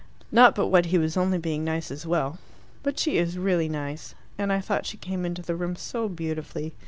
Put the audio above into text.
Not but what he was only being nice as well. But she is really nice. And I thought she came into the room so beautifully.